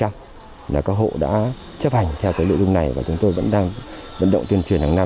các hộ đã chấp hành theo cái nội dung này và chúng tôi vẫn đang vận động tuyên truyền hàng năm